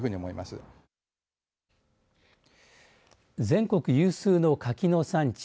全国有数の柿の産地